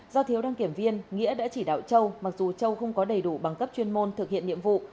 do thiếu đăng kiểm viên nghĩa đã chỉ đạo châu mặc dù châu không có đầy đủ bằng cấp chuyên môn thực hiện nhiệm vụ